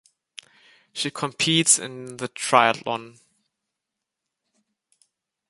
She competes in the triathlon.